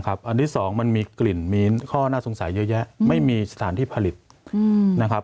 อันที่๒มันมีกลิ่นมีข้อน่าสงสัยเยอะแยะไม่มีสถานที่ผลิตนะครับ